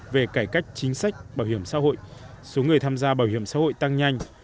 về cải cách chính sách bảo hiểm xã hội số người tham gia bảo hiểm xã hội tăng nhanh